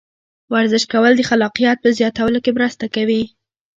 ورزش کول د خلاقیت په زیاتولو کې مرسته کوي.